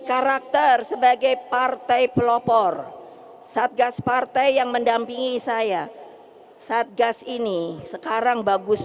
karakter sebagai partai pelopor satgas partai yang mendampingi saya satgas ini sekarang bagus